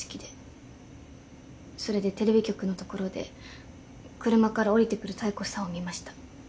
それでテレビ局の所で車から降りてくる妙子さんを見ました。